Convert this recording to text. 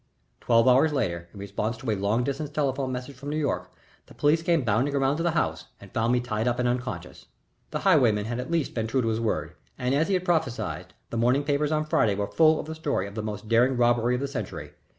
Twelve hours later, in response to a long distance telephone message from New York, the police came bounding around to the house, and found me tied up and unconscious. The highwayman had at least been true to his word, and, as he had prophesied, the morning papers on Friday were full of the story of the most daring robbery of the century.